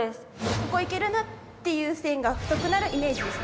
「ここいけるな！」っていう線が太くなるイメージですね。